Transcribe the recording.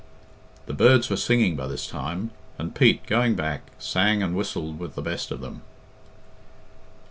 The birds were singing by this time, and Pete, going back, sang and whistled with the best of them.